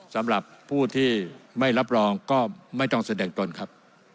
สำหรับผู้ที่ไม่รับรองก็ไม่ต้องแสดงตนครับ